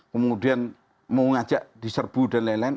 kemudian mau ngajak diserbu dan lain lain